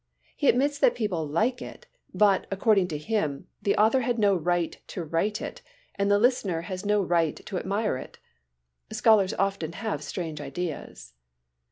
He admits that people like it, but, according to him, the author had no right to write it and the listener has no right to admire it. Scholars often have strange ideas.